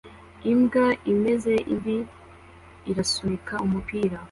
Imbwa imeze imvi irasunika umupira